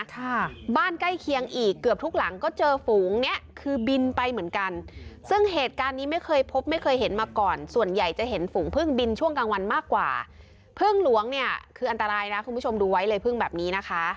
พึ่งหลวงเนี่ยคืออันตรายนะคุณผู้ชมดูไว้เลยพึ่งแบบนี้นะคะ